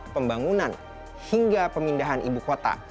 pembangunan hingga pemindahan ibu kota